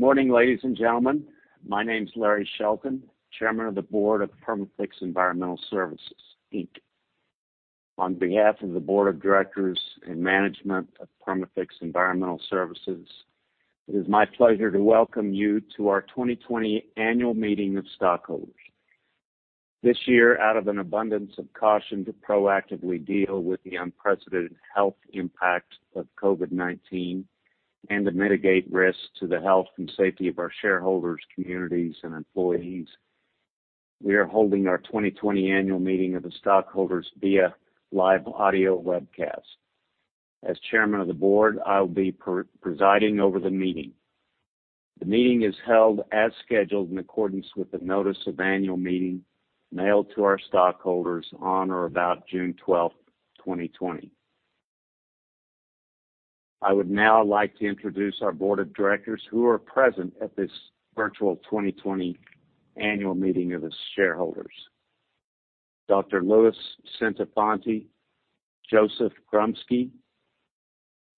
Good morning, ladies and gentlemen. My name is Larry Shelton, Chairman of the Board of Perma-Fix Environmental Services, Inc. On behalf of the Board of Directors and management of Perma-Fix Environmental Services, it is my pleasure to welcome you to our 2020 Annual Meeting of Stockholders. This year, out of an abundance of caution to proactively deal with the unprecedented health impact of COVID-19 and to mitigate risks to the health and safety of our shareholders, communities, and employees, we are holding our 2020 Annual Meeting of the Stockholders via live audio webcast. As Chairman of the Board, I will be presiding over the meeting. The meeting is held as scheduled in accordance with the notice of annual meeting mailed to our stockholders on or about June 12th, 2020. I would now like to introduce our board of directors who are present at this virtual 2020 Annual Meeting of the Shareholders. Dr. Louis Centofanti, Joseph Grumski,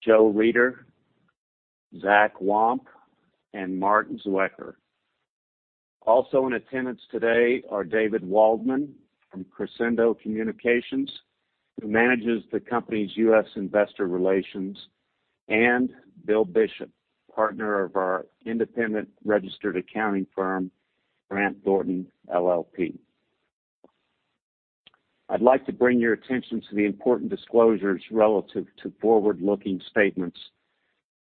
Joe Reeder, Zach Wamp, and Mark Zwecker. Also in attendance today are David Waldman from Crescendo Communications, who manages the company's U.S. investor relations, and Bill Bishop, partner of our independent registered accounting firm, Grant Thornton LLP. I'd like to bring your attention to the important disclosures relative to forward-looking statements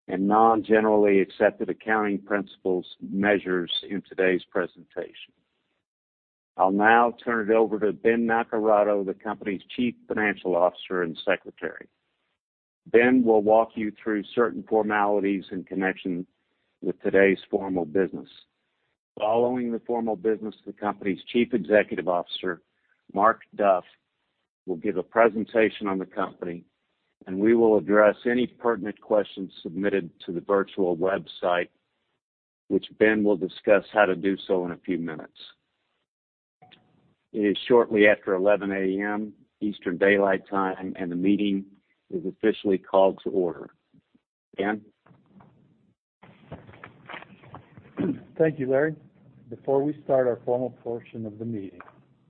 and non-generally accepted accounting principles measures in today's presentation. I'll now turn it over to Ben Naccarato, the company's Chief Financial Officer and Secretary. Ben will walk you through certain formalities in connection with today's formal business. Following the formal business, the company's Chief Executive Officer, Mark Duff, will give a presentation on the company, and we will address any pertinent questions submitted to the virtual website, which Ben will discuss how to do so in a few minutes. It is shortly after 11:00 AM Eastern Daylight Time, and the meeting is officially called to order. Ben? Thank you, Larry. Before we start our formal portion of the meeting,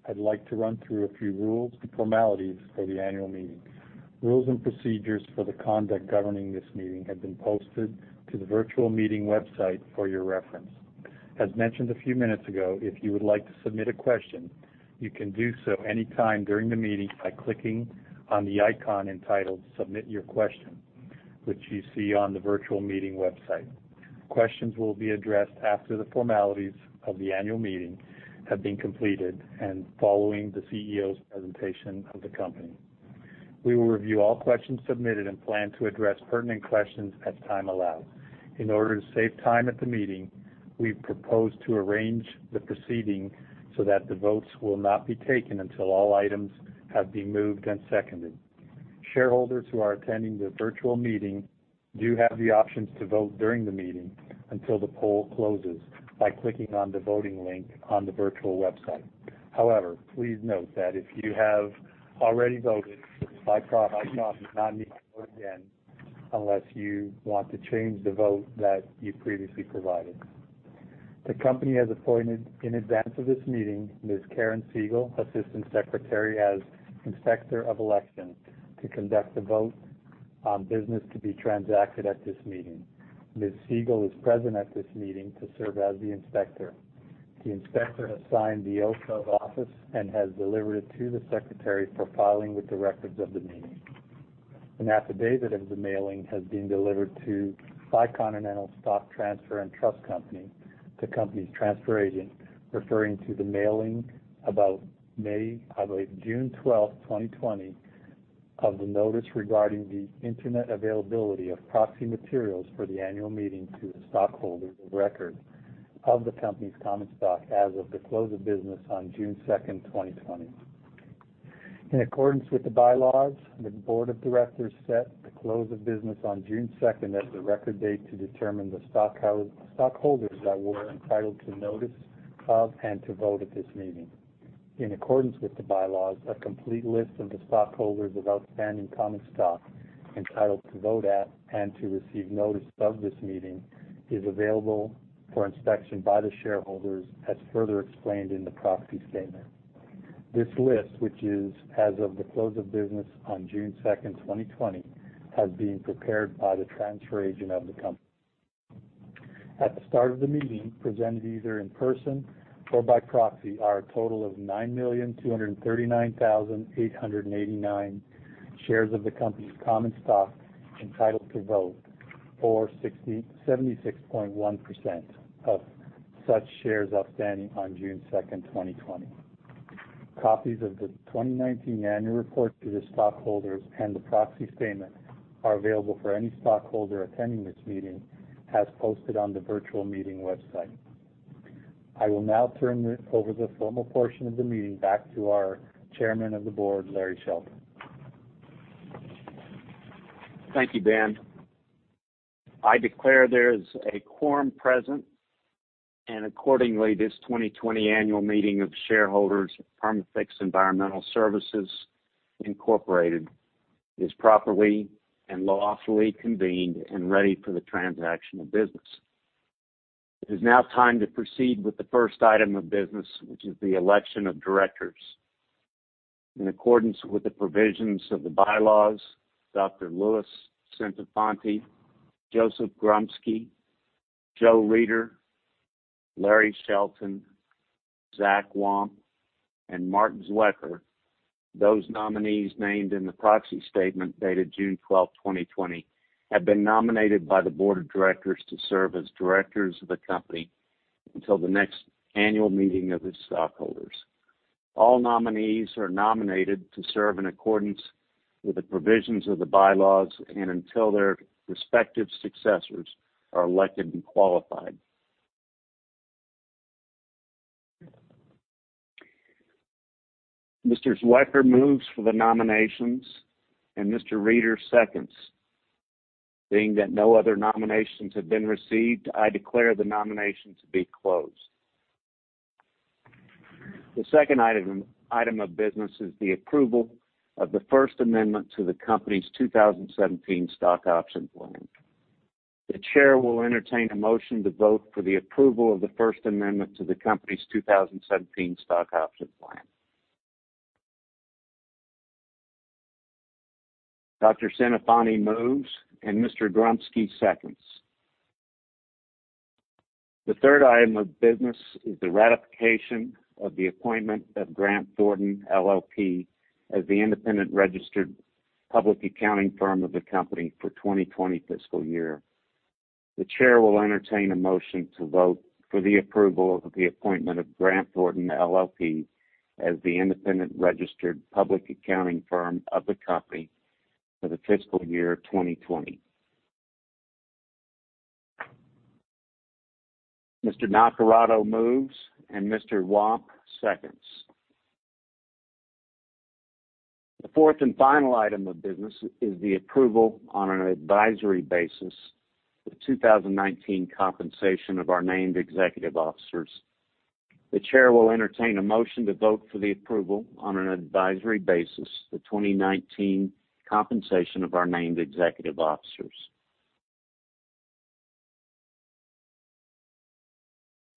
I'd like to run through a few rules and formalities for the annual meeting. Rules and procedures for the conduct governing this meeting have been posted to the virtual meeting website for your reference. As mentioned a few minutes ago, if you would like to submit a question, you can do so anytime during the meeting by clicking on the icon entitled Submit Your Question, which you see on the virtual meeting website. Questions will be addressed after the formalities of the annual meeting have been completed and following the CEO's presentation of the company. We will review all questions submitted and plan to address pertinent questions as time allows. In order to save time at the meeting, we propose to arrange the proceeding so that the votes will not be taken until all items have been moved and seconded. Shareholders who are attending the virtual meeting do have the option to vote during the meeting until the poll closes by clicking on the voting link on the virtual website. However, please note that if you have already voted by proxy, you do not need to vote again unless you want to change the vote that you previously provided. The company has appointed in advance of this meeting, Ms. Karen Siegel, Assistant Secretary as Inspector of Election to conduct the vote on business to be transacted at this meeting. Ms. Siegel is present at this meeting to serve as the inspector. The inspector has signed the oath of office and has delivered it to the secretary for filing with the records of the meeting. An affidavit of the mailing has been delivered to Continental Stock Transfer & Trust Company, the company's transfer agent, referring to the mailing about June 12th, 2020, of the notice regarding the internet availability of proxy materials for the annual meeting to the stockholders of record of the company's common stock as of the close of business on June 2nd, 2020. In accordance with the bylaws, the board of directors set the close of business on June 2nd as the record date to determine the stockholders that were entitled to notice of and to vote at this meeting. In accordance with the bylaws, a complete list of the stockholders of outstanding common stock entitled to vote at and to receive notice of this meeting is available for inspection by the shareholders as further explained in the proxy statement. This list, which is as of the close of business on June 2nd, 2020, has been prepared by the transfer agent of the company. At the start of the meeting, presented either in person or by proxy, are a total of 9,239,889 shares of the company's common stock entitled to vote, or 76.1% of such shares outstanding on June 2nd, 2020. Copies of the 2019 annual report to the stockholders and the proxy statement are available for any stockholder attending this meeting as posted on the virtual meeting website. I will now turn over the formal portion of the meeting back to our Chairman of the Board, Larry Shelton. Thank you, Ben. I declare there is a quorum present. Accordingly, this 2020 annual meeting of shareholders of Perma-Fix Environmental Services, Inc. is properly and lawfully convened and ready for the transaction of business. It is now time to proceed with the first item of business, which is the election of directors. In accordance with the provisions of the bylaws, Dr. Louis Centofanti, Joseph Grumski, Joe Reeder, Larry Shelton, Zach Wamp, and Mark Zwecker, those nominees named in the proxy statement dated June 12, 2020, have been nominated by the board of directors to serve as directors of the company until the next annual meeting of its stockholders. All nominees are nominated to serve in accordance with the provisions of the bylaws and until their respective successors are elected and qualified. Mr. Zwecker moves for the nominations and Mr. Reeder seconds. Being that no other nominations have been received, I declare the nominations to be closed. The second item of business is the approval of the first amendment to the company's 2017 stock option plan. The chair will entertain a motion to vote for the approval of the first amendment to the company's 2017 stock option plan. Dr. Centofanti moves and Mr. Grumski seconds. The third item of business is the ratification of the appointment of Grant Thornton LLP as the independent registered public accounting firm of the company for 2020 fiscal year. The chair will entertain a motion to vote for the approval of the appointment of Grant Thornton LLP as the independent registered public accounting firm of the company for the fiscal year 2020. Mr. Naccarato moves and Mr. Wamp seconds. The fourth and final item of business is the approval on an advisory basis, the 2019 compensation of our named executive officers. The chair will entertain a motion to vote for the approval on an advisory basis, the 2019 compensation of our named executive officers.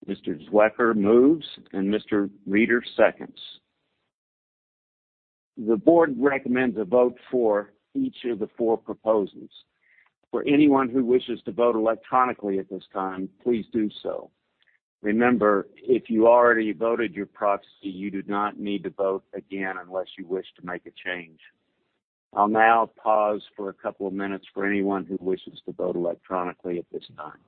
Mr. Zwecker moves and Mr. Reeder seconds. The board recommends a vote for each of the four proposals. For anyone who wishes to vote electronically at this time, please do so. Remember, if you already voted your proxy, you do not need to vote again unless you wish to make a change. I'll now pause for a couple of minutes for anyone who wishes to vote electronically at this time.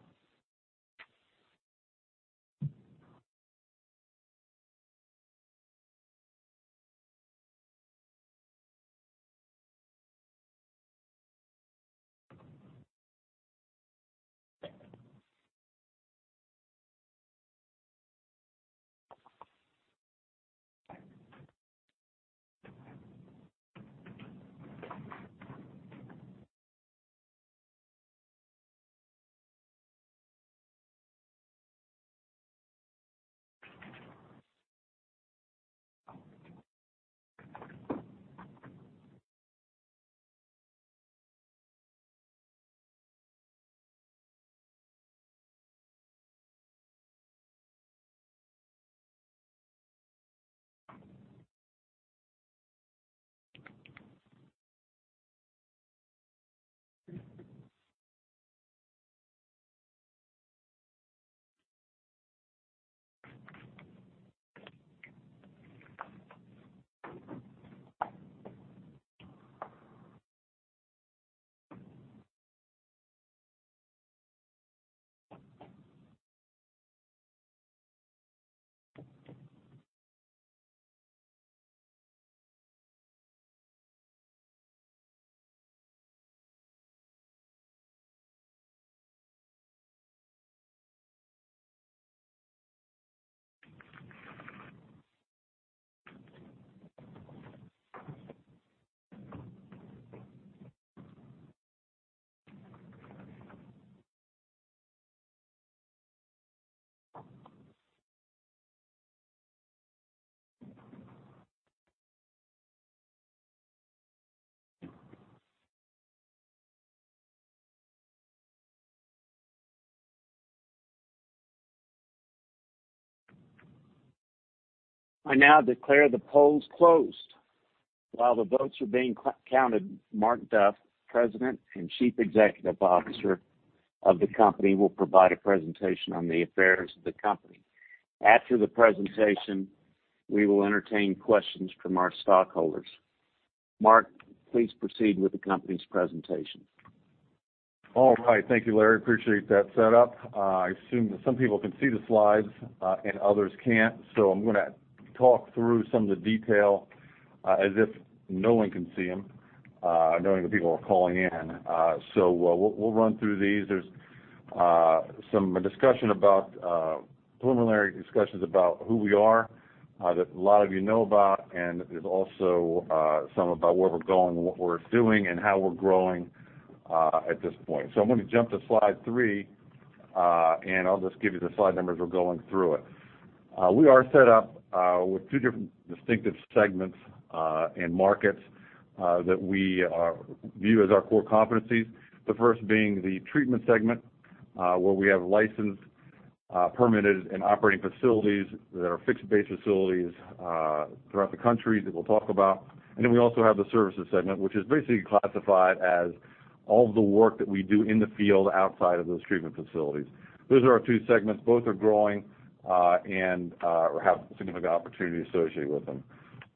I now declare the polls closed. While the votes are being counted, Mark Duff, President and Chief Executive Officer of the company, will provide a presentation on the affairs of the company. After the presentation, we will entertain questions from our stockholders. Mark, please proceed with the company's presentation. All right. Thank you, Larry. Appreciate that setup. I assume that some people can see the slides, and others can't, so I'm going to talk through some of the detail as if no one can see them, knowing that people are calling in. We'll run through these. There's some preliminary discussions about who we are, that a lot of you know about, and there's also some about where we're going and what we're doing and how we're growing at this point. I'm going to jump to slide three, and I'll just give you the slide numbers as we're going through it. We are set up with two different distinctive segments and markets that we view as our core competencies. The first being the treatment segment, where we have licensed, permitted, and operating facilities that are fixed-base facilities throughout the country that we'll talk about. We also have the services segment, which is basically classified as all of the work that we do in the field outside of those treatment facilities. Those are our two segments. Both are growing and have significant opportunity associated with them.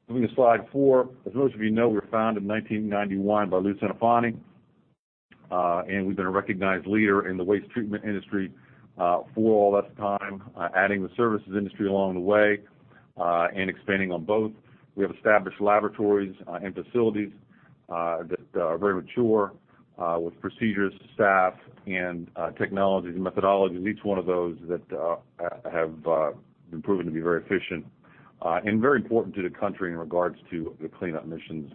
Moving to slide four. As most of you know, we were founded in 1991 by Lou Centofanti, and we've been a recognized leader in the waste treatment industry for all that time, adding the services industry along the way, and expanding on both. We have established laboratories and facilities that are very mature with procedures, staff, and technologies and methodologies, each one of those that have been proven to be very efficient. Very important to the country in regards to the cleanup missions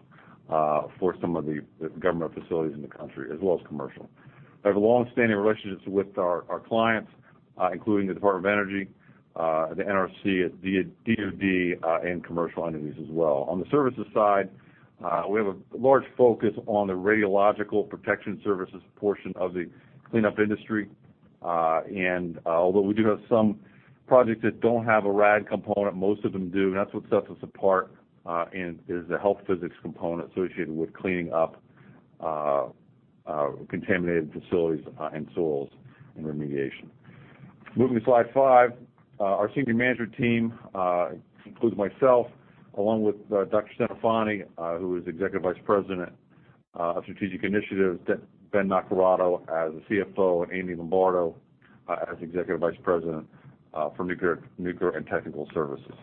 for some of the government facilities in the country, as well as commercial. We have longstanding relationships with our clients, including the Department of Energy, the NRC, the DOD, and commercial entities as well. On the services side, we have a large focus on the radiological protection services portion of the cleanup industry. Although we do have some projects that don't have a rad component, most of them do, and that's what sets us apart, and is the health physics component associated with cleaning up contaminated facilities and soils and remediation. Moving to slide five. Our senior management team includes myself, along with Dr. Centofanti, who is Executive Vice President of Strategic Initiatives, Ben Naccarato as the CFO, and Andrew Lombardo as Executive Vice President for Nuclear & Technical Services.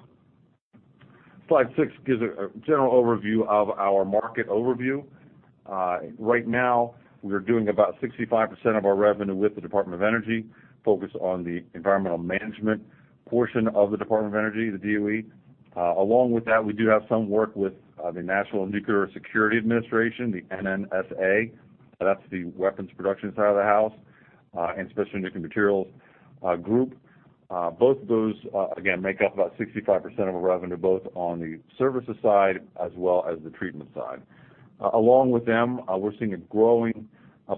Slide six gives a general overview of our market overview. Right now, we're doing about 65% of our revenue with the Department of Energy, focused on the environmental management portion of the Department of Energy, the DOE. Along with that, we do have some work with the National Nuclear Security Administration, the NNSA. That's the weapons production side of the house, and Special Nuclear Materials Group. Both of those, again, make up about 65% of our revenue, both on the services side as well as the treatment side. Along with them, we're seeing a growing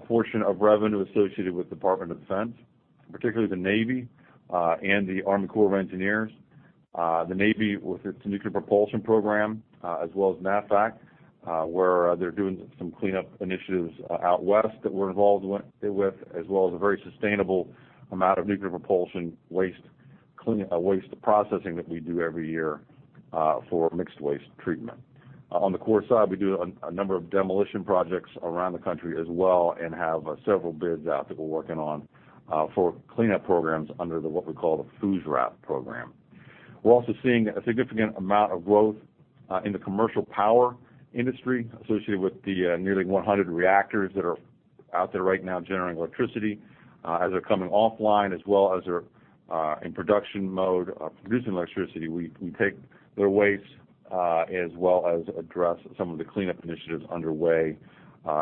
portion of revenue associated with Department of Defense, particularly the Navy, and the U.S. Army Corps of Engineers. The Navy with its Nuclear Propulsion Program, as well as NAVFAC, where they're doing some cleanup initiatives out west that we're involved with, as well as a very sustainable amount of nuclear propulsion waste processing that we do every year for mixed waste treatment. On the Corps side, we do a number of demolition projects around the country as well and have several bids out that we're working on for cleanup programs under the what we call the FUSRAP program. We're also seeing a significant amount of growth in the commercial power industry associated with the nearly 100 reactors that are out there right now generating electricity. As they're coming offline as well as they're in production mode of producing electricity, we take their waste, as well as address some of the cleanup initiatives underway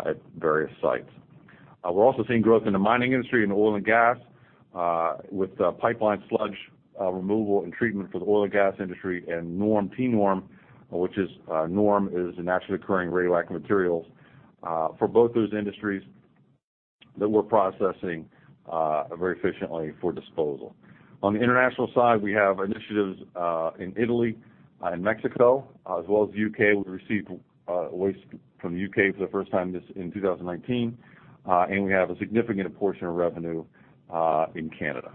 at various sites. We're also seeing growth in the mining industry and oil and gas with pipeline sludge removal and treatment for the oil and gas industry and NORM, TENORM. NORM is a naturally occurring radioactive materials for both those industries that we're processing very efficiently for disposal. On the international side, we have initiatives in Italy and Mexico as well as the U.K. We received waste from the U.K. for the first time in 2019. We have a significant portion of revenue in Canada.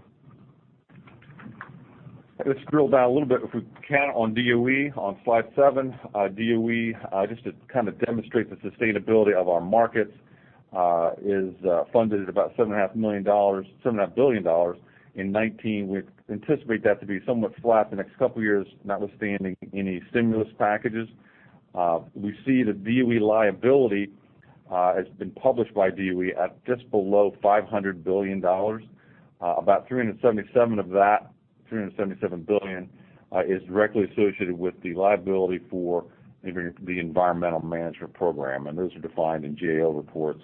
Let's drill down a little bit if we can on DOE on slide seven. DOE, just to kind of demonstrate the sustainability of our markets, is funded at about $7.5 billion in 2019. We anticipate that to be somewhat flat the next couple of years, notwithstanding any stimulus packages. We see the DOE liability has been published by DOE at just below $500 billion. About 377 of that, $377 billion, is directly associated with the liability for the Environmental Management Program, and those are defined in GAO reports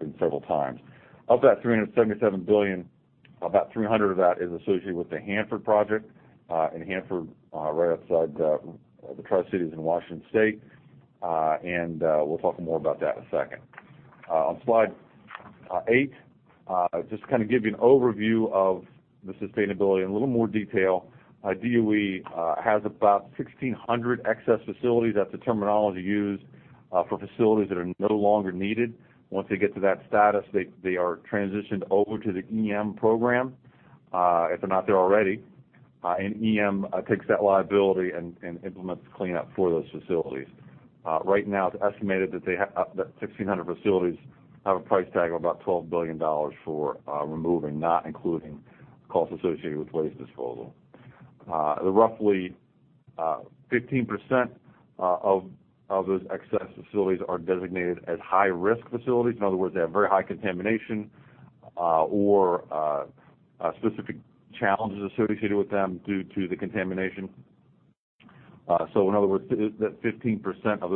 in several times. Of that $377 billion, about $300 billion is associated with the Hanford Project in Hanford, right outside the Tri-Cities in Washington state. We'll talk more about that in a second. On slide eight, just to kind of give you an overview of the sustainability in a little more detail. DOE has about 1,600 excess facilities. That's the terminology used for facilities that are no longer needed. Once they get to that status, they are transitioned over to the EM program, if they're not there already. EM takes that liability and implements the cleanup for those facilities. Right now, it's estimated that 1,600 facilities have a price tag of about $12 billion for removing, not including costs associated with waste disposal. Roughly 15% of those excess facilities are designated as high-risk facilities. In other words, they have very high contamination or specific challenges associated with them due to the contamination. That 15% of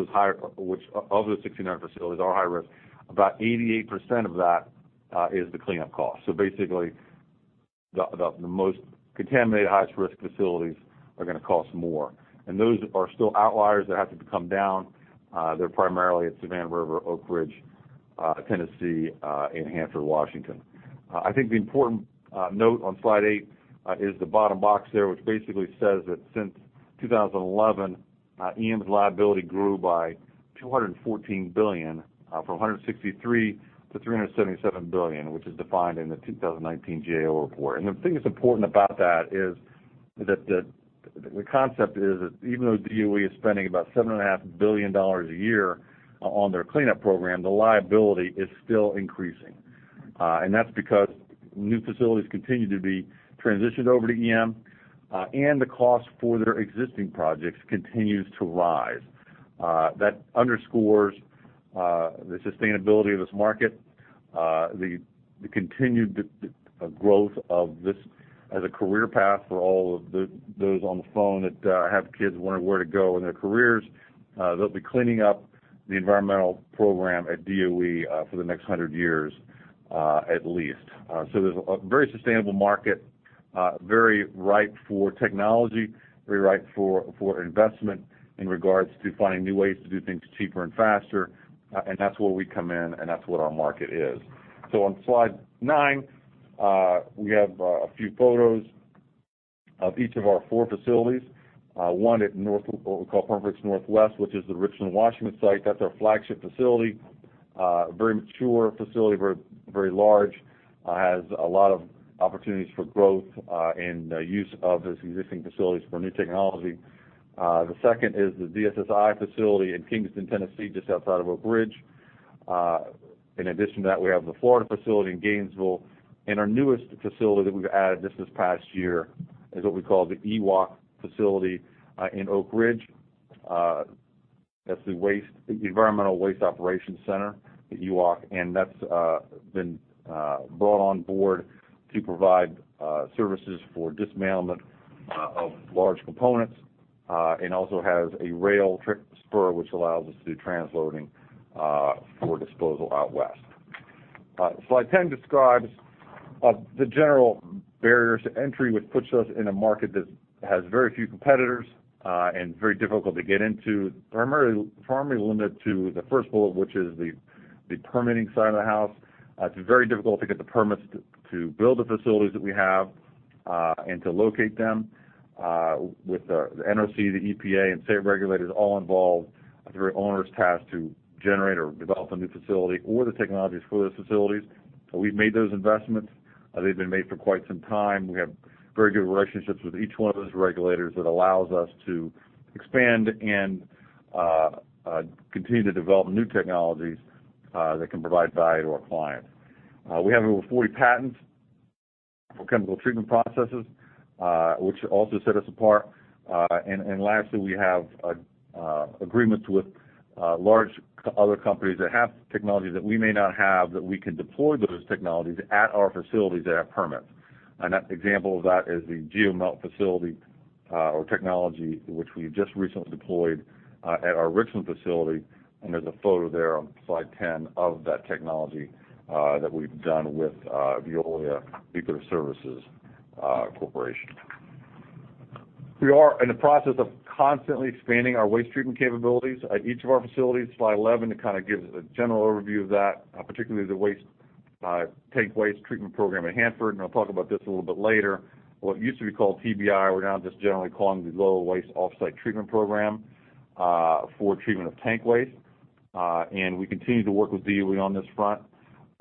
those 69 facilities are high risk. About 88% of that is the cleanup cost. Basically, the most contaminated, highest risk facilities are going to cost more. Those are still outliers that have to come down. They're primarily at Savannah River, Oak Ridge, Tennessee, and Hanford, Washington. I think the important note on slide eight is the bottom box there, which basically says that since 2011, EM's liability grew by $214 billion, from $163 to $377 billion, which is defined in the 2019 GAO report. The thing that's important about that is that the concept is that even though DOE is spending about $7.5 billion a year on their cleanup program, the liability is still increasing. That's because new facilities continue to be transitioned over to EM, and the cost for their existing projects continues to rise. That underscores the sustainability of this market, the continued growth of this as a career path for all of those on the phone that have kids wondering where to go in their careers. They'll be cleaning up the environmental program at DOE for the next 100 years, at least. There's a very sustainable market, very ripe for technology, very ripe for investment in regards to finding new ways to do things cheaper and faster. That's where we come in, and that's what our market is. On slide nine, we have a few photos of each of our four facilities. One at what we call Perma-Fix Northwest, which is the Richland, Washington site. That's our flagship facility. A very mature facility, very large. Has a lot of opportunities for growth and use of those existing facilities for new technology. The second is the DSSI facility in Kingston, Tennessee, just outside of Oak Ridge. We have the Florida facility in Gainesville. Our newest facility that we've added just this past year is what we call the EWOC facility in Oak Ridge. That's the Environmental Waste Operations Center, the EWOC, and that's been brought on board to provide services for dismantlement of large components, and also has a rail spur, which allows us to do transloading for disposal out west. Slide 10 describes the general barriers to entry, which puts us in a market that has very few competitors, and very difficult to get into. Primarily limited to the first bullet, which is the permitting side of the house. It's very difficult to get the permits to build the facilities that we have, and to locate them. With the NRC, the EPA, and state regulators all involved, it's a very onerous task to generate or develop a new facility or the technologies for those facilities. We've made those investments. They've been made for quite some time. We have very good relationships with each one of those regulators that allows us to expand and continue to develop new technologies that can provide value to our clients. We have over 40 patents for chemical treatment processes, which also set us apart. Lastly, we have agreements with large other companies that have technologies that we may not have, that we can deploy those technologies at our facilities that have permits. An example of that is the GeoMelt facility or technology, which we've just recently deployed at our Richland facility. There's a photo there on slide 10 of that technology that we've done with Veolia Nuclear Services Corporation. We are in the process of constantly expanding our waste treatment capabilities at each of our facilities. Slide 11 kind of gives a general overview of that, particularly the tank waste treatment program at Hanford, I'll talk about this a little bit later. What used to be called TBI, we're now just generally calling the Low Waste Off-site Treatment Program for treatment of tank waste. We continue to work with DOE on this front.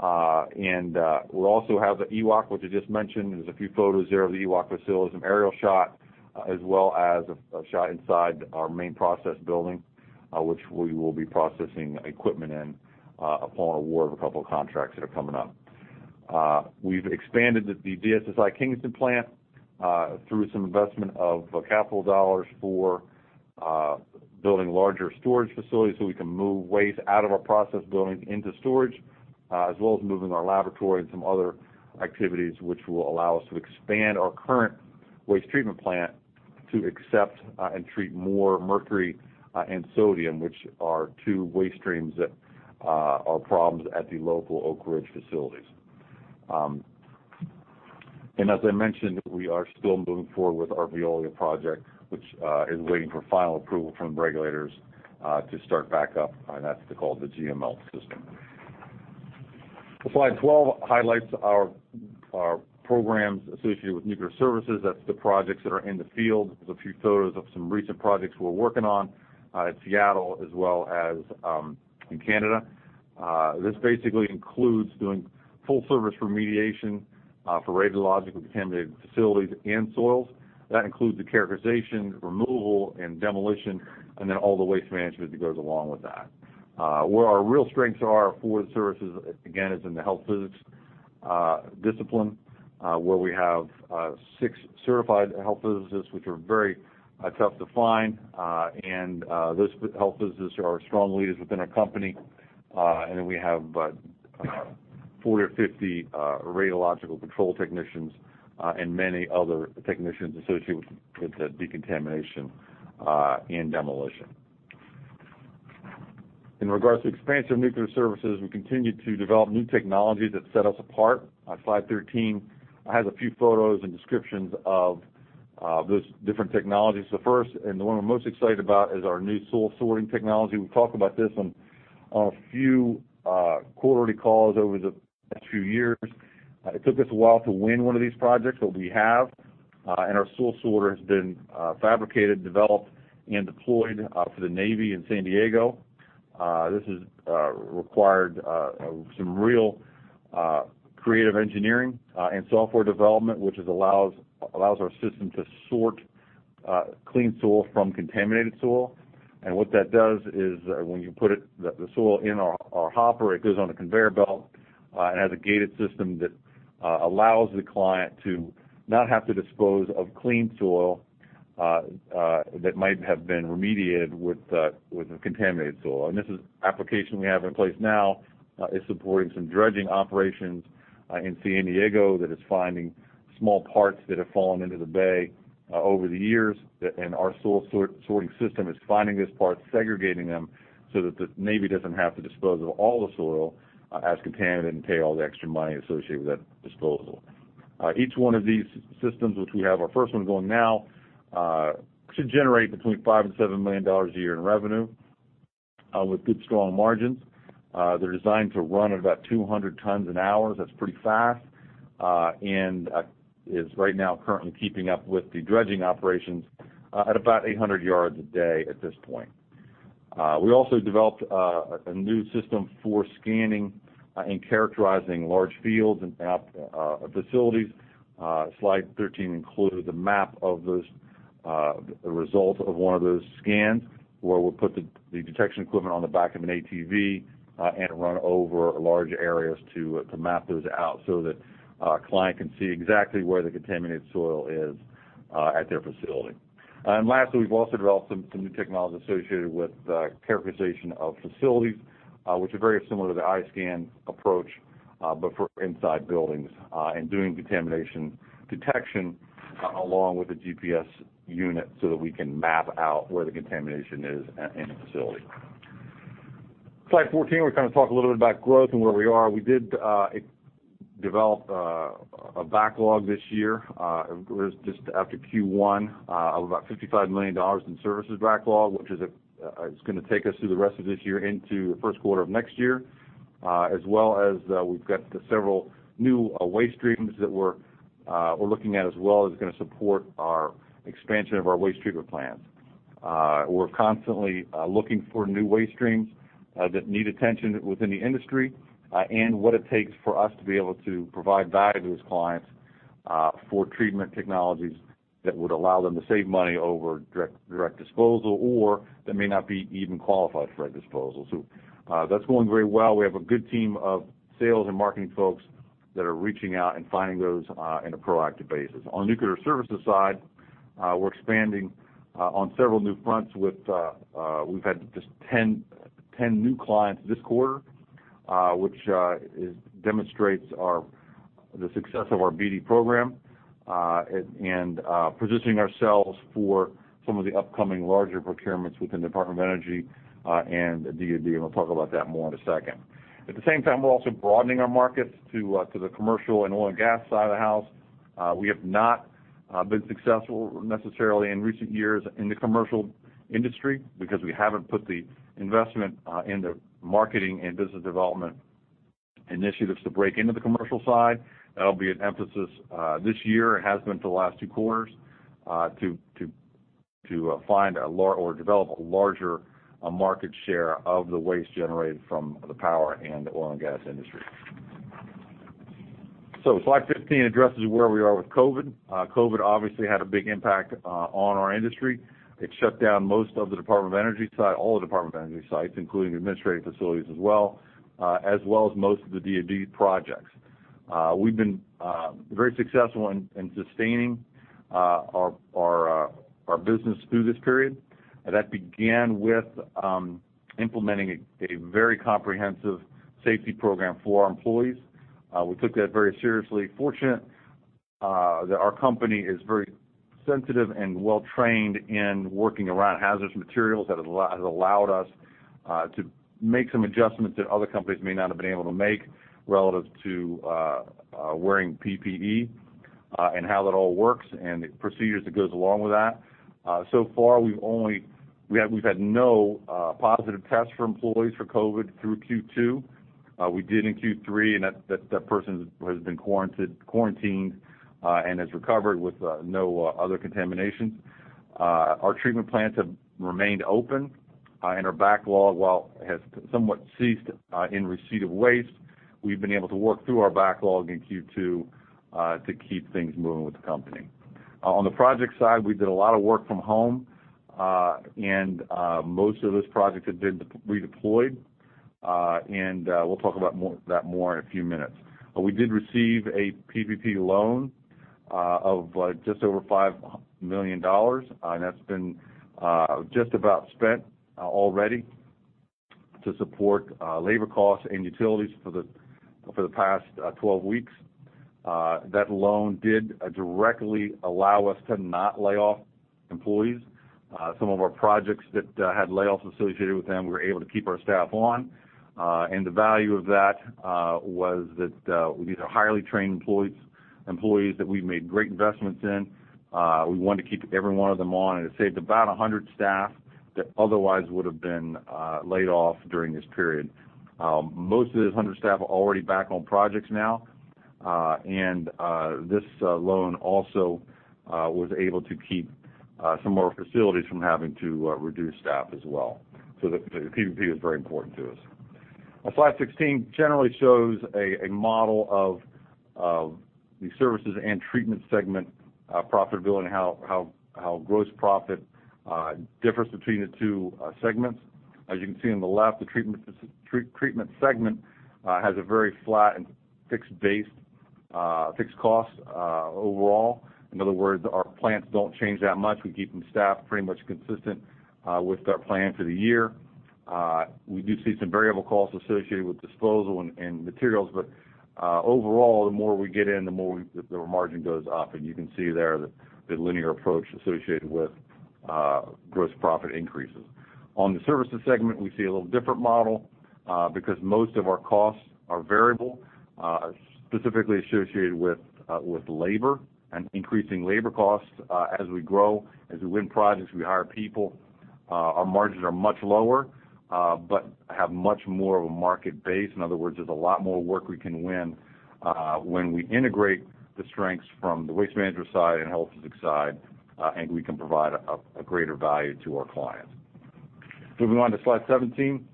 We also have the EWOC, which I just mentioned. There's a few photos there of the EWOC facility. There's an aerial shot, as well as a shot inside our main process building, which we will be processing equipment in upon award of a couple of contracts that are coming up. We've expanded the Diversified Scientific Services, Inc. Kingston plant through some investment of capital dollars for building larger storage facilities so we can move waste out of our process building into storage, as well as moving our laboratory and some other activities which will allow us to expand our current waste treatment plant to accept and treat more mercury and sodium, which are two waste streams that are problems at the local Oak Ridge facilities. As I mentioned, we are still moving forward with our Veolia project, which is waiting for final approval from regulators to start back up. That's called the GeoMelt system. Slide 12 highlights our programs associated with nuclear services. That's the projects that are in the field. There's a few photos of some recent projects we're working on in Seattle as well as in Canada. This basically includes doing full-service remediation for radiologically contaminated facilities and soils. That includes the characterization, removal, and demolition, and then all the waste management that goes along with that. Where our real strengths are for the services, again, is in the health physics discipline, where we have six certified health physicists, which are very tough to find. Those health physicists are strong leaders within our company. We have 40 or 50 radiological control technicians, and many other technicians associated with the decontamination and demolition. In regards to expansion of nuclear services, we continue to develop new technologies that set us apart. Slide 13 has a few photos and descriptions of those different technologies. The first, and the one we're most excited about, is our new SoilSorter technology. We've talked about this on a few quarterly calls over the past few years. It took us a while to win one of these projects, but we have. Our SoilSorter has been fabricated, developed, and deployed for the Navy in San Diego. This has required some real creative engineering and software development, which allows our system to sort clean soil from contaminated soil. What that does is, when you put the soil in our hopper, it goes on a conveyor belt. It has a gated system that allows the client to not have to dispose of clean soil that might have been remediated with the contaminated soil. This application we have in place now is supporting some dredging operations in San Diego that is finding small parts that have fallen into the bay over the years. Our soil sorting system is finding these parts, segregating them so that the Navy doesn't have to dispose of all the soil as contaminated and pay all the extra money associated with that disposal. Each one of these systems, which we have our first one going now, should generate between $5 million and $7 million a year in revenue with good, strong margins. They're designed to run at about 200 tons an hour. That's pretty fast. Is right now currently keeping up with the dredging operations at about 800 yards a day at this point. We also developed a new system for scanning and characterizing large fields and facilities. Slide 13 includes a map of the result of one of those scans, where we'll put the detection equipment on the back of an ATV and run over large areas to map those out so that a client can see exactly where the contaminated soil is at their facility. Lastly, we've also developed some new technologies associated with characterization of facilities, which are very similar to the iSCAN approach but for inside buildings and doing contamination detection along with a GPS unit so that we can map out where the contamination is in a facility. Slide 14, we're going to talk a little bit about growth and where we are. We did develop a backlog this year. It was just after Q1 of about $55 million in services backlog, which is going to take us through the rest of this year into the first quarter of next year. We've got several new waste streams that we're looking at as well, is going to support our expansion of our waste treatment plants. We're constantly looking for new waste streams that need attention within the industry and what it takes for us to be able to provide value to those clients for treatment technologies that would allow them to save money over direct disposal, or they may not be even qualified for a disposal. That's going very well. We have a good team of sales and marketing folks that are reaching out and finding those on a proactive basis. On the nuclear services side, we're expanding on several new fronts. We've had just 10 new clients this quarter, which demonstrates the success of our BD program and positioning ourselves for some of the upcoming larger procurements within the Department of Energy and DoD. We'll talk about that more in a second. At the same time, we're also broadening our markets to the commercial and oil and gas side of the house. We have not been successful necessarily in recent years in the commercial industry because we haven't put the investment in the marketing and business development initiatives to break into the commercial side. That'll be an emphasis this year. It has been for the last two quarters to find or develop a larger market share of the waste generated from the power and oil and gas industry. Slide 15 addresses where we are with COVID. COVID obviously had a big impact on our industry. It shut down most of the Department of Energy site, all the Department of Energy sites, including administrative facilities, as well as most of the DoD projects. We've been very successful in sustaining our business through this period. That began with implementing a very comprehensive safety program for our employees. We took that very seriously. Fortunately, our company is very sensitive and well trained in working around hazardous materials. That has allowed us to make some adjustments that other companies may not have been able to make relative to wearing PPE and how that all works and the procedures that goes along with that. We've had no positive tests for employees for COVID through Q2. We did in Q3. That person has been quarantined and has recovered with no other contaminations. Our treatment plants have remained open. Our backlog, while has somewhat ceased in receipt of waste, we've been able to work through our backlog in Q2 to keep things moving with the company. On the project side, we did a lot of work from home. Most of those projects have been redeployed. We'll talk about that more in a few minutes. We did receive a PPP loan of just over $5 million, and that's been just about spent already to support labor costs and utilities for the past 12 weeks. That loan did directly allow us to not lay off employees. Some of our projects that had layoffs associated with them, we were able to keep our staff on. The value of that was that these are highly trained employees that we've made great investments in. We wanted to keep every one of them on, and it saved about 100 staff that otherwise would've been laid off during this period. Most of those 100 staff are already back on projects now. This loan also was able to keep some more facilities from having to reduce staff as well. The PPP was very important to us. On slide 16, generally shows a model of the services and treatment segment profitability and how gross profit differs between the two segments. As you can see on the left, the treatment segment has a very flat and fixed base, fixed cost overall. In other words, our plants don't change that much. We keep them staffed pretty much consistent with our plan for the year. We do see some variable costs associated with disposal and materials, but overall, the more we get in, the more the margin goes up. You can see there the linear approach associated with gross profit increases. On the services segment, we see a little different model, because most of our costs are variable, specifically associated with labor and increasing labor costs as we grow. As we win projects, we hire people. Our margins are much lower, but have much more of a market base. In other words, there's a lot more work we can win when we integrate the strengths from the Waste Management side and Health Physics side, and we can provide a greater value to our clients. Moving on to slide 17.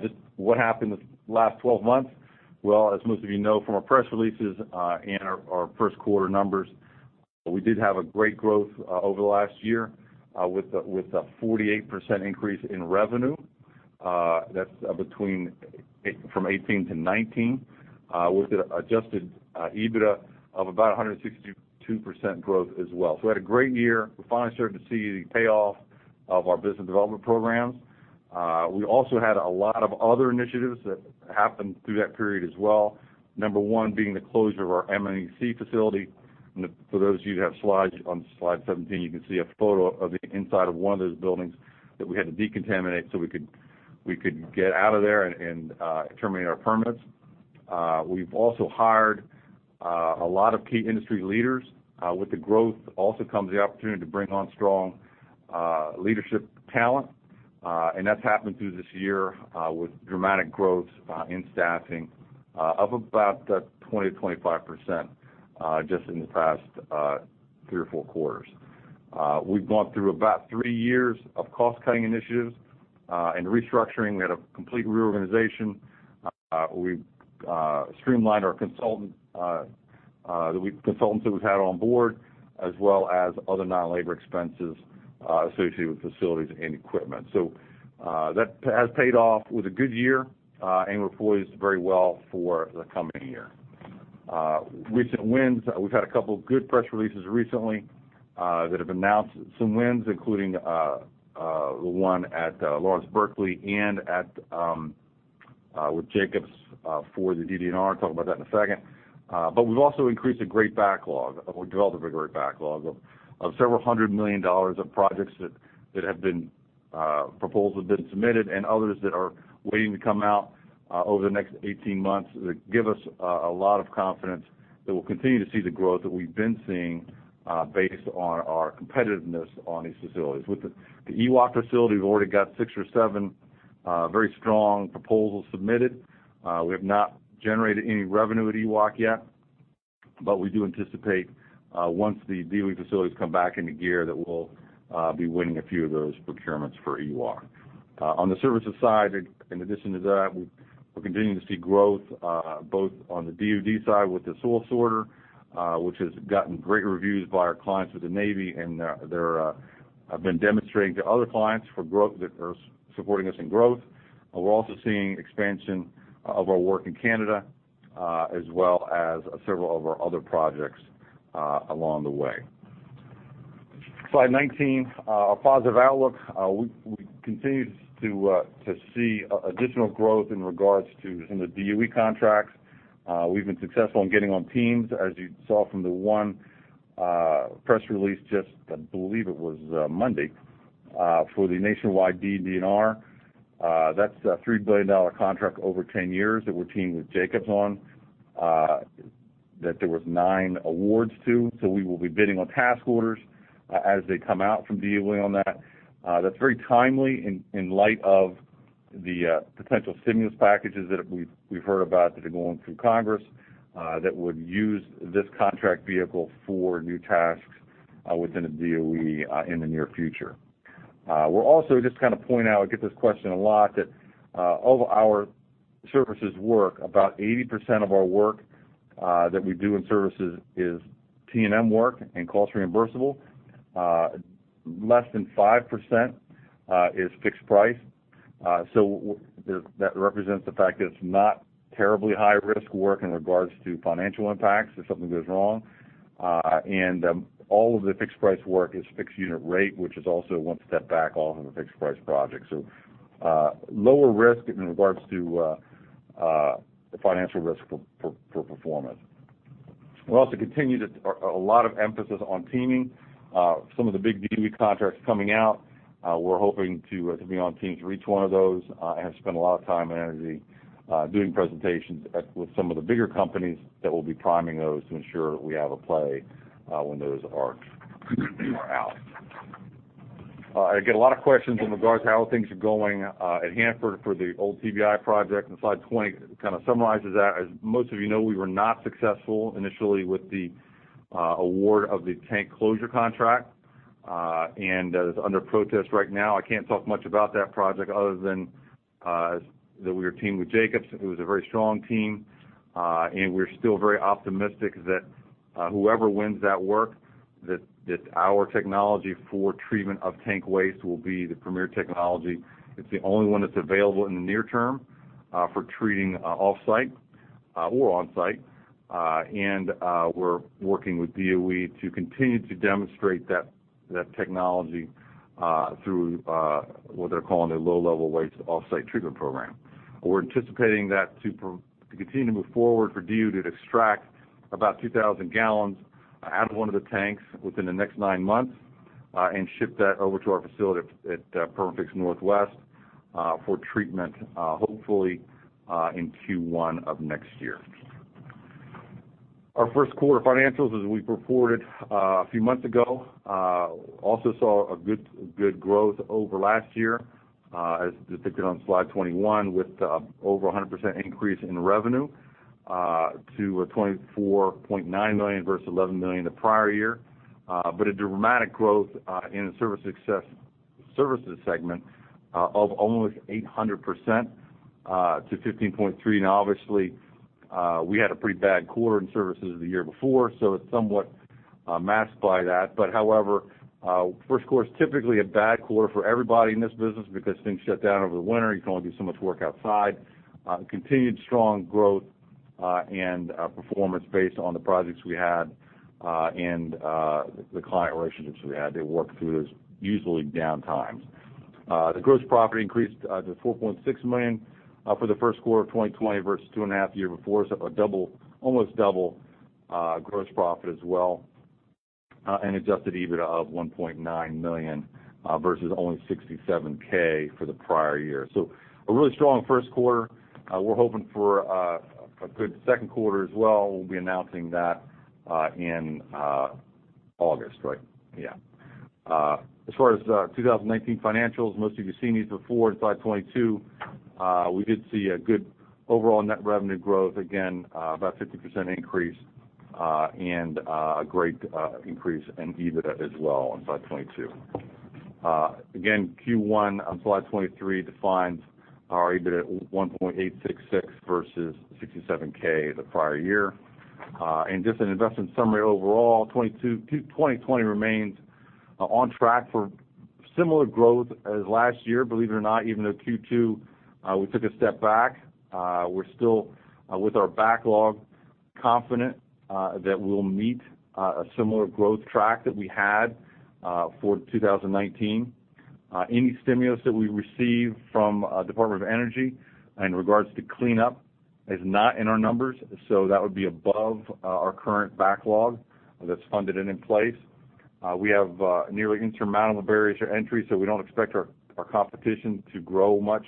Just what happened this last 12 months. Well, as most of you know from our press releases and our first quarter numbers, we did have a great growth over the last year, with a 48% increase in revenue. That's from 2018 to 2019, with an adjusted EBITDA of about 162% growth as well. We had a great year. We finally started to see the payoff of our business development programs. We also had a lot of other initiatives that happened through that period as well. Number one being the closure of our M&EC facility. For those of you that have slides, on slide 17, you can see a photo of the inside of one of those buildings that we had to decontaminate so we could get out of there and terminate our permits. We've also hired a lot of key industry leaders. With the growth also comes the opportunity to bring on strong leadership talent. That's happened through this year with dramatic growth in staffing of about 20%-25% just in the past three or four quarters. We've gone through about three years of cost-cutting initiatives and restructuring. We had a complete reorganization. We've streamlined the consultants that we've had on board, as well as other non-labor expenses associated with facilities and equipment. That has paid off. It was a good year. We're poised very well for the coming year. Recent wins. We've had a couple good press releases recently that have announced some wins, including the one at Lawrence Berkeley and with Jacobs for the DD&R. I'll talk about that in a second. We've also increased a great backlog. We developed a very great backlog of several hundred million dollars of projects. Proposals been submitted and others that are waiting to come out over the next 18 months that give us a lot of confidence that we'll continue to see the growth that we've been seeing based on our competitiveness on these facilities. With the EWOC facility, we've already got six or seven very strong proposals submitted. We have not generated any revenue at EWOC yet, but we do anticipate once the DOE facilities come back into gear, that we'll be winning a few of those procurements for EWOC. On the services side, in addition to that, we're continuing to see growth both on the DoD side with the SoilSorter, which has gotten great reviews by our clients with the Navy, and they're have been demonstrating to other clients that are supporting us in growth. We're also seeing expansion of our work in Canada, as well as several of our other projects along the way. Slide 19. A positive outlook. We continue to see additional growth in regards to some of the DOE contracts. We've been successful in getting on teams, as you saw from the one press release just, I believe it was Monday, for the nationwide DD&R. That's a $3 billion contract over 10 years that we're teaming with Jacobs on, that there was nine awards too. We will be bidding on task orders as they come out from DOE on that. That's very timely in light of the potential stimulus packages that we've heard about that are going through Congress that would use this contract vehicle for new tasks within the DOE in the near future. We're also just kind of point out, I get this question a lot, that of our services work, about 80% of our work that we do in services is T&M work and cost reimbursable. Less than 5% is fixed price. That represents the fact that it's not terribly high-risk work in regards to financial impacts if something goes wrong. All of the fixed price work is fixed unit rate, which is also one step back off of a fixed price project. Lower risk in regards to the financial risk for performance. We also continue. A lot of emphasis on teaming. Some of the big DOE contracts coming out, we're hoping to be on teams for each one of those. I have spent a lot of time and energy doing presentations with some of the bigger companies that will be priming those to ensure that we have a play when those RFPs are out. I get a lot of questions in regards to how things are going at Hanford for the old TBI project. Slide 20 kind of summarizes that. As most of you know, we were not successful initially with the award of the tank closure contract. That is under protest right now. I can't talk much about that project other than that we were teamed with Jacobs, it was a very strong team. We're still very optimistic that whoever wins that work, that our technology for treatment of tank waste will be the premier technology. It's the only one that's available in the near term for treating offsite or onsite. We're working with DOE to continue to demonstrate that technology through what they're calling their Low-Level Waste Off-site Treatment Program. We're anticipating that to continue to move forward for DOE to extract about 2,000 gallons out of one of the tanks within the next 9 months, and ship that over to our facility at Perma-Fix Northwest for treatment, hopefully, in Q1 of next year. Our first quarter financials, as we reported a few months ago, also saw a good growth over last year, as depicted on slide 21, with over 100% increase in revenue to $24.9 million versus $11 million the prior year. A dramatic growth in the services segment of almost 800% to $15.3. Obviously, we had a pretty bad quarter in services the year before, so it's somewhat masked by that. However, first quarter is typically a bad quarter for everybody in this business because things shut down over the winter. You can only do so much work outside. Continued strong growth and performance based on the projects we had and the client relationships we had that worked through those usually down times. The gross profit increased to $4.6 million for the first quarter of 2020 versus two and a half the year before, so a double, almost double gross profit as well. An adjusted EBITDA of $1.9 million versus only $67K for the prior year. A really strong first quarter. We're hoping for a good second quarter as well. We'll be announcing that in August, right? Yeah. As far as 2019 financials, most of you seen these before. Slide 22, we did see a good overall net revenue growth, again, about 50% increase, and a great increase in EBITDA as well on slide 22. Q1 on slide 23 defines our EBITDA at $1.866 million versus $67 thousand the prior year. Just an investment summary overall, 2020 remains on track for similar growth as last year. Believe it or not, even though Q2 we took a step back, we're still, with our backlog, confident that we'll meet a similar growth track that we had for 2019. Any stimulus that we receive from Department of Energy in regards to cleanup is not in our numbers, that would be above our current backlog that's funded and in place. We have nearly insurmountable barriers to entry, we don't expect our competition to grow much,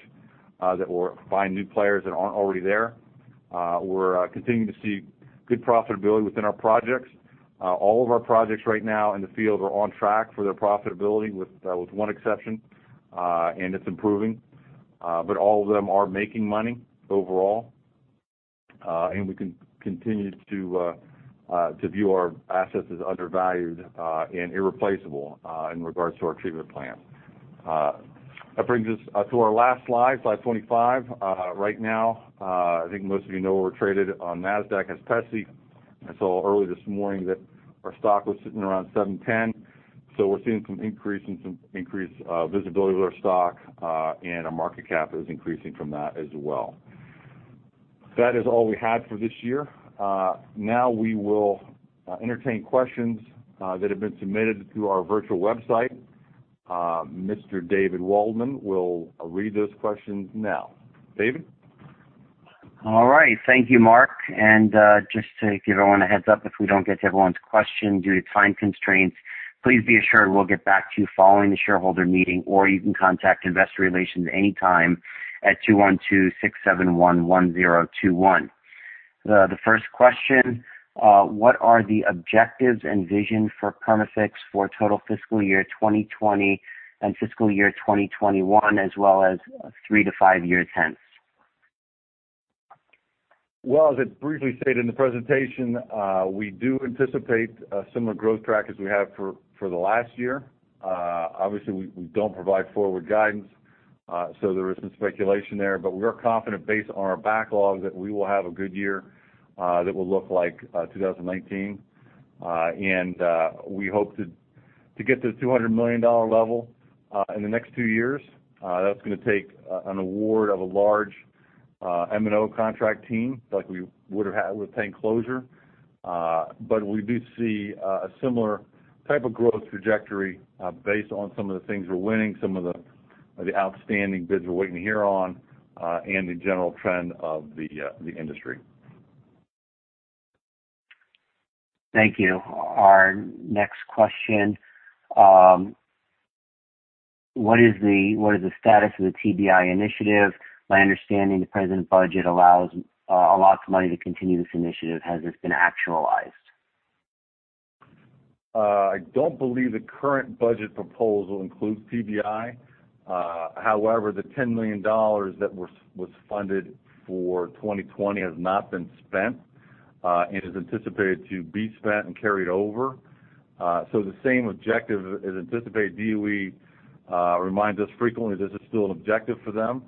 that we'll find new players that aren't already there. We're continuing to see good profitability within our projects. All of our projects right now in the field are on track for their profitability with one exception, and it's improving. All of them are making money overall. We continue to view our assets as undervalued and irreplaceable, in regards to our treatment plant. That brings us to our last slide 25. Right now, I think most of you know we're traded on NASDAQ as PESI. I saw early this morning that our stock was sitting around $7.10. We're seeing some increase and some increased visibility with our stock, and our market cap is increasing from that as well. That is all we had for this year. Now we will entertain questions that have been submitted through our virtual website. Mr. David Waldman will read those questions now. David? All right. Thank you, Mark. Just to give everyone a heads up, if we don't get to everyone's question due to time constraints, please be assured we'll get back to you following the shareholder meeting, or you can contact investor relations anytime at 212-671-1021. The first question: What are the objectives and vision for Perma-Fix for total fiscal year 2020 and fiscal year 2021, as well as three to five-year tenets? Well, as I briefly stated in the presentation, we do anticipate a similar growth track as we have for the last year. Obviously, we don't provide forward guidance, there is some speculation there. We are confident based on our backlog that we will have a good year that will look like 2019. We hope to get to the $200 million level in the next two years. That's going to take an award of a large M&O contract team, like we would have had with tank closure. We do see a similar type of growth trajectory based on some of the things we're winning, some of the outstanding bids we're waiting to hear on, and the general trend of the industry. Thank you. Our next question. What is the status of the TBI initiative? My understanding, the present budget allots money to continue this initiative. Has this been actualized? I don't believe the current budget proposal includes TBI. However, the $10 million that was funded for 2020 has not been spent, and is anticipated to be spent and carried over. The same objective is anticipated. DOE reminds us frequently this is still an objective for them,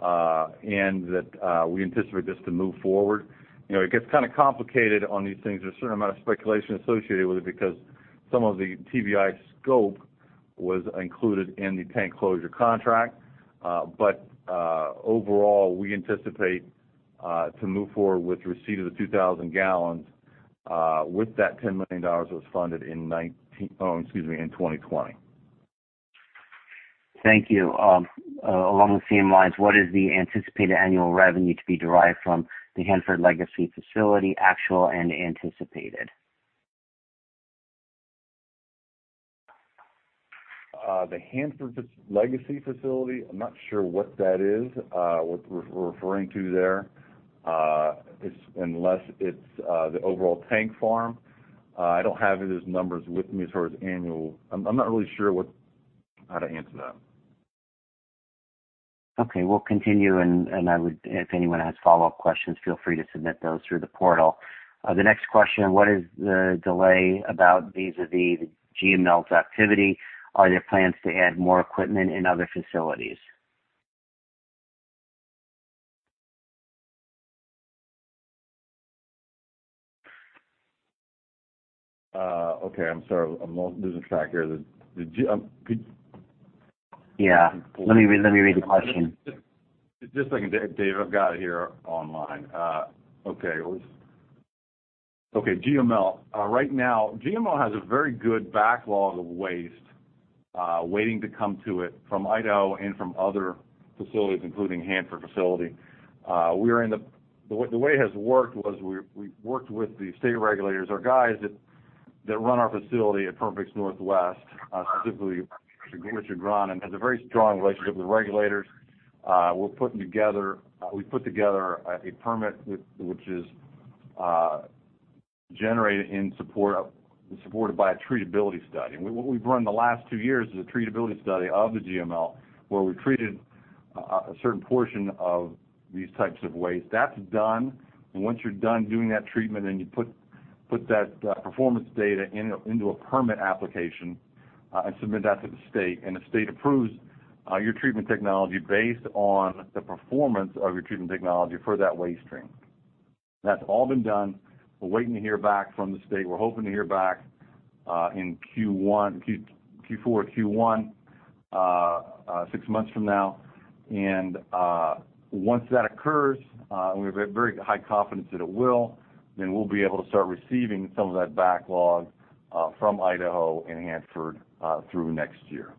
and that we anticipate this to move forward. It gets kind of complicated on these things. There's a certain amount of speculation associated with it because some of the TBI scope was included in the tank closure contract. Overall, we anticipate to move forward with receipt of the 2,000 gallons with that $10 million that was funded in 2020. Thank you. Along the same lines, what is the anticipated annual revenue to be derived from the Hanford Legacy facility, actual and anticipated? The Hanford Legacy facility? I'm not sure what that is, what we're referring to there. Unless it's the overall tank farm. I don't have those numbers with me as far as annual. I'm not really sure how to answer that. Okay, we'll continue, and if anyone has follow-up questions, feel free to submit those through the portal. The next question, what is the delay about vis-a-vis the GeoMelt's activity? Are there plans to add more equipment in other facilities? Okay, I'm sorry. I'm losing track here. Yeah. Let me read the question. Just a second, Dave. I've got it here online. Okay. GeoMelt. Right now, GeoMelt has a very good backlog of waste waiting to come to it from Idaho and from other facilities, including Hanford facility. The way it has worked was we worked with the state regulators. Our guys that run our facility at Perma-Fix Northwest, specifically Richard Grondin, and has a very strong relationship with regulators. What we've run the last two years is a treatability study of the GeoMelt, where we treated a certain portion of these types of waste. That's done. Once you're done doing that treatment and you put that performance data into a permit application, and submit that to the state, and the state approves your treatment technology based on the performance of your treatment technology for that waste stream. That's all been done. We're waiting to hear back from the state. We're hoping to hear back in Q4 or Q1, six months from now. Once that occurs, we have very high confidence that it will, then we'll be able to start receiving some of that backlog from Idaho and Hanford through next year.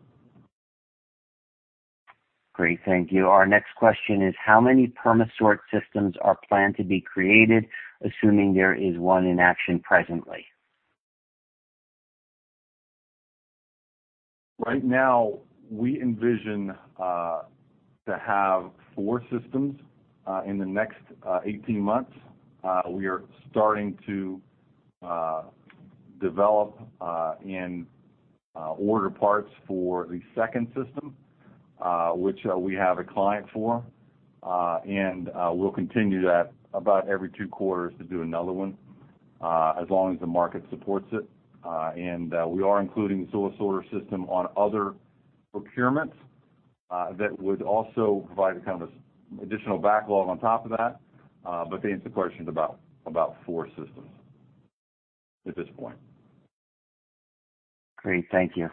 Great. Thank you. Our next question is how many PermaSort systems are planned to be created, assuming there is one in action presently? Right now, we envision to have four systems, in the next 18 months. We are starting to develop and order parts for the second system, which we have a client for. We'll continue that about every two quarters to do another one, as long as the market supports it. We are including the SoilSorter system on other procurements that would also provide a kind of additional backlog on top of that. To answer your question, about four systems at this point. Great. Thank you.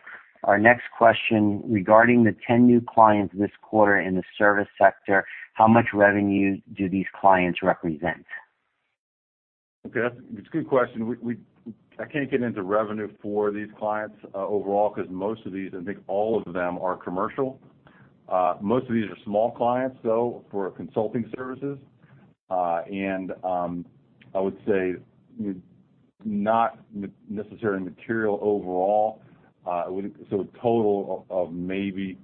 Our next question, regarding the 10 new clients this quarter in the service sector, how much revenue do these clients represent? Okay. That's a good question. I can't get into revenue for these clients overall, because most of these, I think all of them, are commercial. Most of these are small clients, though, for consulting services. I would say not necessarily material overall. A total of maybe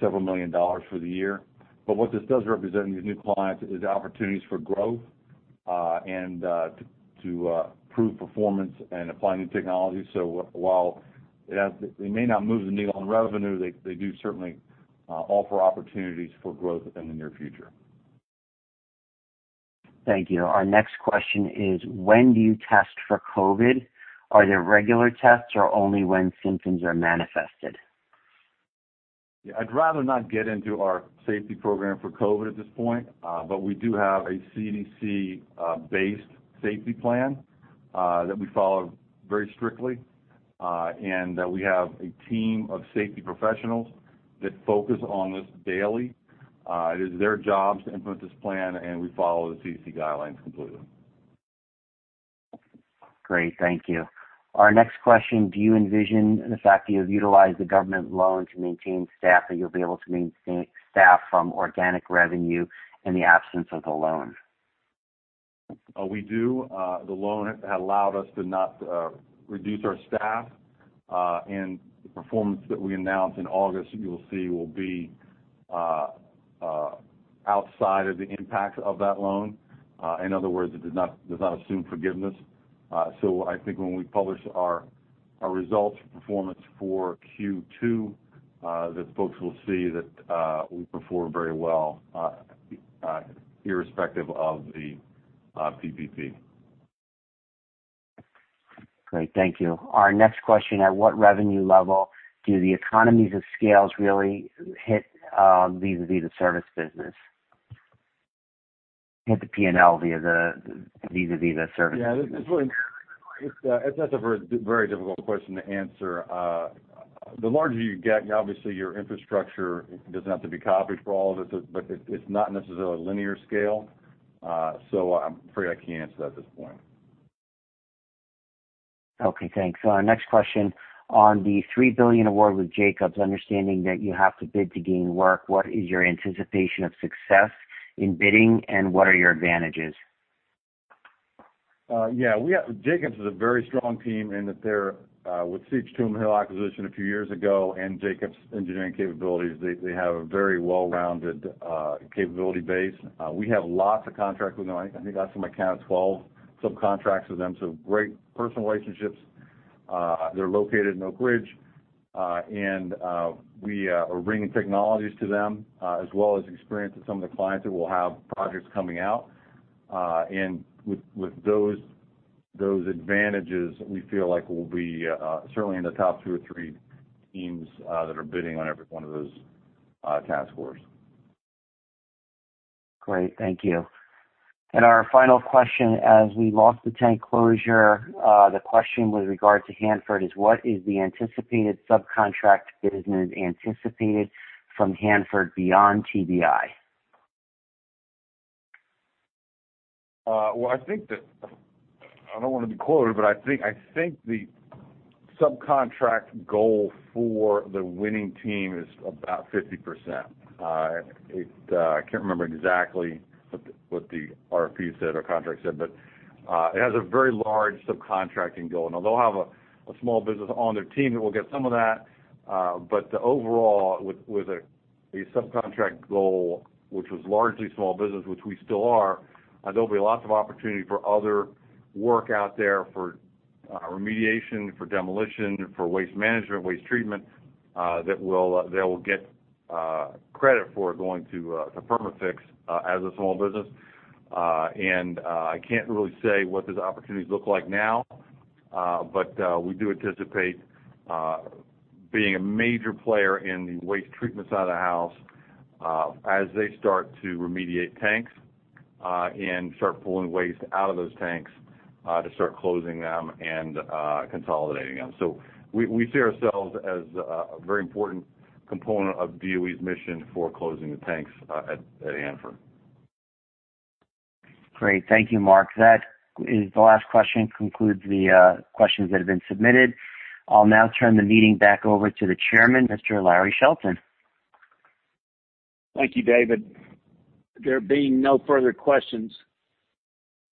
several million dollars for the year. What this does represent in these new clients is opportunities for growth and to prove performance and apply new technology. While they may not move the needle on revenue, they do certainly offer opportunities for growth in the near future. Thank you. Our next question is, when do you test for COVID? Are there regular tests or only when symptoms are manifested? Yeah. I'd rather not get into our safety program for COVID at this point. We do have a CDC-based safety plan that we follow very strictly. We have a team of safety professionals that focus on this daily. It is their job to implement this plan, and we follow the CDC guidelines completely. Great. Thank you. Our next question: do you envision the fact that you have utilized the government loan to maintain staff, that you'll be able to maintain staff from organic revenue in the absence of the loan? We do. The loan had allowed us to not reduce our staff. The performance that we announced in August, you will see, will be outside of the impact of that loan. In other words, it does not assume forgiveness. I think when we publish our results for performance for Q2, that folks will see that we performed very well, irrespective of the PPP. Great. Thank you. Our next question: at what revenue level do the economies of scale really hit vis-à-vis service business? Hit the P&L vis-à-vis service. Yeah. That's a very difficult question to answer. The larger you get, obviously, your infrastructure doesn't have to be copied for all of it, but it's not necessarily a linear scale. I'm afraid I can't answer that at this point. Okay, thanks. Next question. On the $3 billion award with Jacobs, understanding that you have to bid to gain work, what is your anticipation of success in bidding and what are your advantages? Yeah. Jacobs is a very strong team in that they're, with CH2M Hill acquisition a few years ago and Jacobs' engineering capabilities, they have a very well-rounded capability base. We have lots of contracts with them. I think on some account, 12 subcontracts with them, so great personal relationships. They're located in Oak Ridge. We are bringing technologies to them, as well as experience with some of the clients that will have projects coming out. With those advantages, we feel like we'll be certainly in the top two or three teams that are bidding on every one of those task forces. Great. Thank you. Our final question: as we lost the tank closure, the question with regard to Hanford is what is the anticipated subcontract business anticipated from Hanford beyond TBI? Well, I don't want to be quoted, but I think the subcontract goal for the winning team is about 50%. I can't remember exactly what the RFP said or contract said, but it has a very large subcontracting goal. They'll have a small business on their team that will get some of that. The overall, with a subcontract goal which was largely small business, which we still are, there'll be lots of opportunity for other work out there for remediation, for demolition, for waste management, waste treatment, that they'll get credit for going to Perma-Fix as a small business. I can't really say what those opportunities look like now. We do anticipate being a major player in the waste treatment side of the house as they start to remediate tanks and start pulling waste out of those tanks to start closing them and consolidating them. We see ourselves as a very important component of DOE's mission for closing the tanks at Hanford. Great. Thank you, Mark. That is the last question, concludes the questions that have been submitted. I'll now turn the meeting back over to the Chairman, Mr. Larry Shelton. Thank you, David. There being no further questions,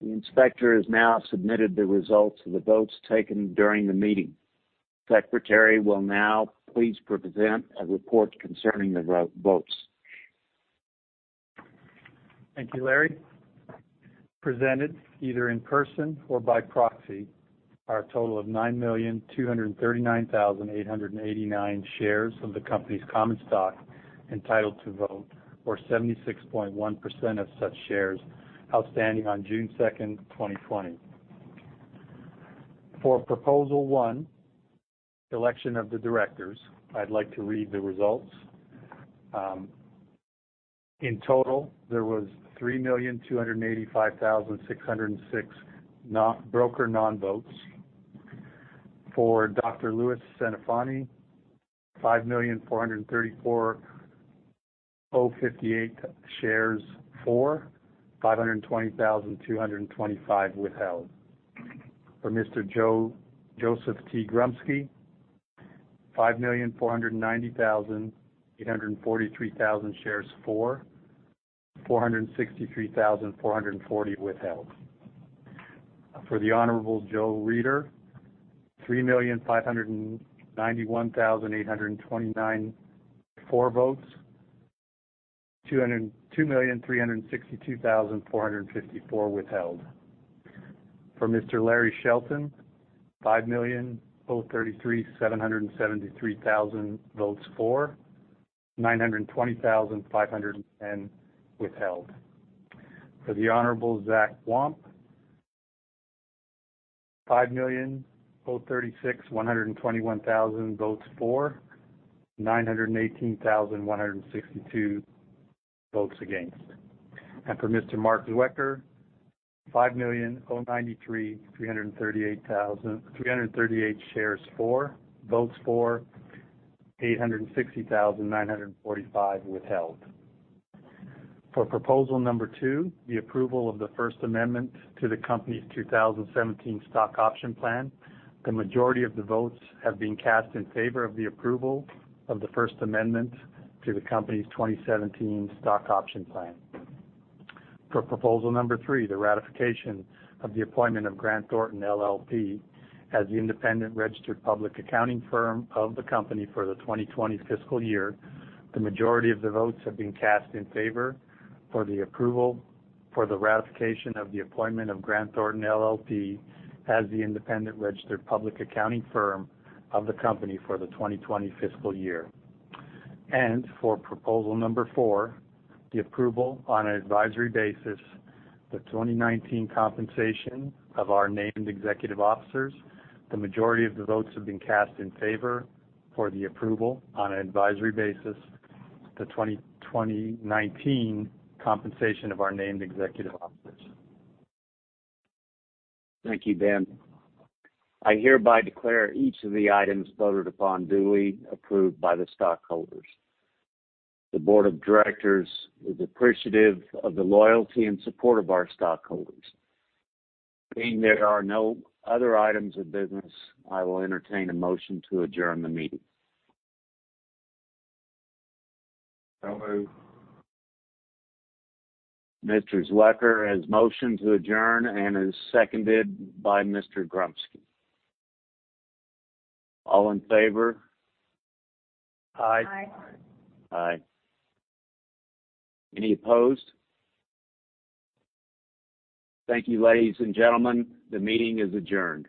the inspector has now submitted the results of the votes taken during the meeting. Secretary will now please present a report concerning the votes. Thank you, Larry. Presented, either in person or by proxy, are a total of 9,239,889 shares of the company's common stock entitled to vote, or 76.1% of such shares outstanding on June 2nd, 2020. For proposal one, election of the directors, I'd like to read the results. In total, there was 3,285,606 broker non-votes. For Dr. Louis Centofanti, 5,434,058 shares for, 520,225 withheld. For Mr. Joseph T. Grumski, 5,490,843 shares for, 463,440 withheld. For the Honorable Joe Reeder, 3,591,829 for votes, 2,362,454 withheld. For Mr. Larry Shelton, 5,033,773 votes for, 920,510 withheld. For the Honorable Zach Wamp, 5,036,121 votes for, 918,162 votes against. For Mr. Mark Zwecker, 5,093,338 shares for, votes for. 860,945 withheld. For proposal number 2, the approval of the first amendment to the company's 2017 stock option plan, the majority of the votes have been cast in favor of the approval of the first amendment to the company's 2017 stock option plan. For proposal number 3, the ratification of the appointment of Grant Thornton LLP as the independent registered public accounting firm of the company for the 2020 fiscal year, the majority of the votes have been cast in favor for the approval for the ratification of the appointment of Grant Thornton LLP as the independent registered public accounting firm of the company for the 2020 fiscal year. For proposal number 4, the approval on an advisory basis, the 2019 compensation of our named executive officers. The majority of the votes have been cast in favor for the approval on an advisory basis, the 2019 compensation of our named executive officers. Thank you, Ben. I hereby declare each of the items voted upon duly approved by the stockholders. The board of directors is appreciative of the loyalty and support of our stockholders. Being there are no other items of business, I will entertain a motion to adjourn the meeting. Moved. Mr. Zwecker has motioned to adjourn and is seconded by Mr. Grumski. All in favor? Aye. Aye. Any opposed? Thank you, ladies and gentlemen. The meeting is adjourned.